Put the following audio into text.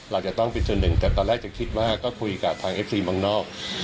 เราจะต้องเป็นส่วนหนึ่งแต่ตอนแรกจะคิดว่าก็คุยกับทางเอฟซีเมืองนอก